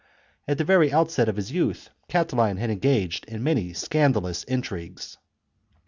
At the very outset of his youth Catiline had engaged in many scandalous intrigues